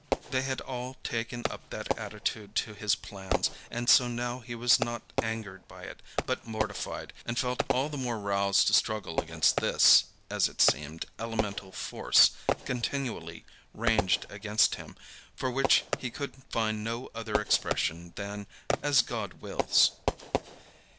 They had all taken up that attitude to his plans, and so now he was not angered by it, but mortified, and felt all the more roused to struggle against this, as it seemed, elemental force continually ranged against him, for which he could find no other expression than "as God wills."